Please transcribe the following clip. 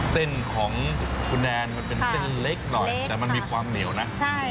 เส้นของคุณแนนมันเป็นเส้นเล็กหน่อยแต่มันมีความเหนียวนะ